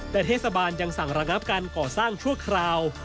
แต่เทศบาลยังสั่งระงับการก่อสร้างชั่วคราว